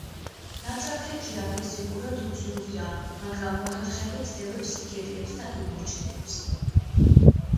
ნაცარქექია ფიზიკურად უძლურია, მაგრამ მოხერხებით დევებს იგერიებს და იმორჩილებს.